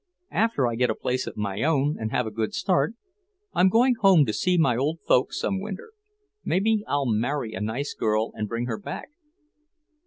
After I get a place of my own and have a good start, I'm going home to see my old folks some winter. Maybe I'll marry a nice girl and bring her back."